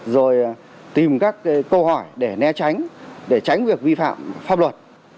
rồi tìm các câu hỏi để né tránh để tránh việc vi phạm pháp luật